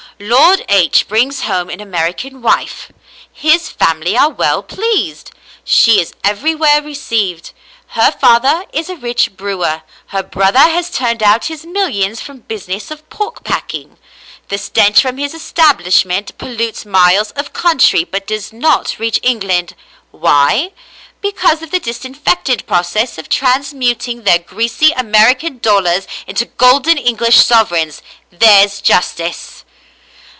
" Lord H brings home an Ameri can wife. His family are well pleased. She is every where received. Her father is a rich brewer. Her brother has turned out his millions from the business of pork packing. The stench from his establishment polutes miles of coun try, but does not reach England — why ? Because of the disinfectant process of transmuting their greasy American dollars into golden English sovereigns. There's justice."